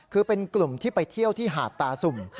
คือเป็นกลุ่มที่ไปเที่ยวที่หาดตาสุ่ม